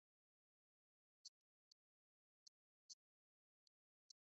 En los cinco años siguientes Swanson rodó varios filmes sonoros, como "What a Widow!